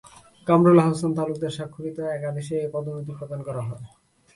কামরুল আহসান তালুকদার স্বাক্ষরিত এক আদেশে এ পদোন্নতি প্রদান করা হয়।